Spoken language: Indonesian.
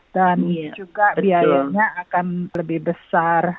dan juga biayanya akan lebih besar